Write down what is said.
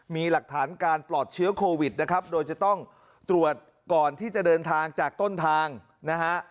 มีหลักฐานการปลอดเชื้อโควิดนะครับโดยจะต้องตรวจก่อนที่จะเดินทางจากต้นทางนะฮะ